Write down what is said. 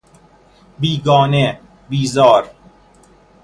بیگانه، بیزار